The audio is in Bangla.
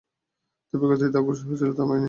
তীব্রগতিতে অগ্রসর হচ্ছিল তার বাহিনী।